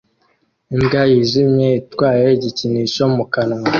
Imbwa yijimye itwaye igikinisho mu kanwa